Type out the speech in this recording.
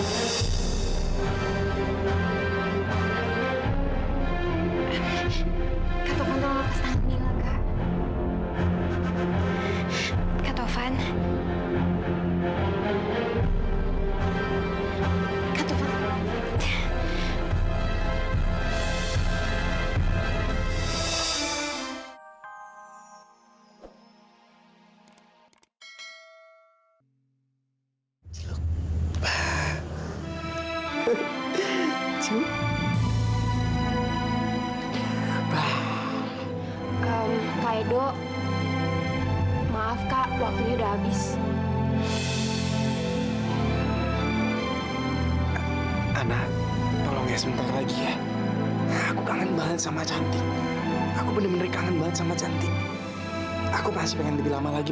sampai jumpa di video selanjutnya